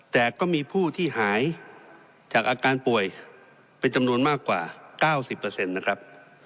แต่ก็มีผู้ที่หายจากอาการป่วยเป็นจำนวนมากกว่า๙๐นะครับ